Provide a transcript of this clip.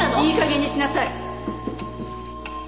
いいかげんにしなさい！